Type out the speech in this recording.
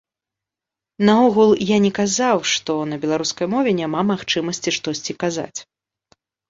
Наогул, я не казаў, што на беларускай мове няма магчымасці штосьці казаць.